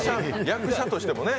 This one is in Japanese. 役者としてもね。